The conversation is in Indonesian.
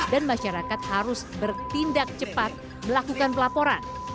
dan masyarakat harus bertindak cepat melakukan pelaporan